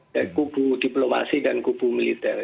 dari kubu diplomasi dan kubu militer